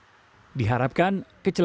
diharapkan kecelakaan maut yang kecil